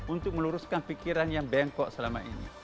untuk meluruskan pikiran yang bengkok selama ini